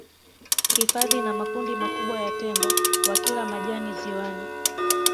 hifadhi ina makundi makubwa ya tembo wakila majani ziwani